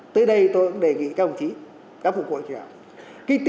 tới đây tôi cũng đề nghị các ông chí các phục vụ của chúng ta